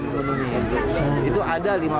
menemui itu itu ada lima